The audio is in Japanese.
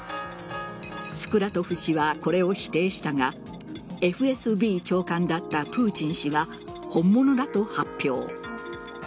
スクラトフ氏はこれを否定したがＦＳＢ長官だったプーチン氏が本物だと発表。